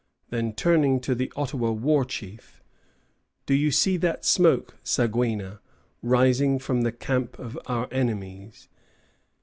Then, turning to the Ottawa war chief: "Do you see that smoke, Saguina, rising from the camp of our enemies?